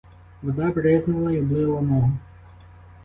Вода бризнула й облила ногу.